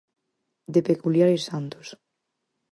De peculiares santos.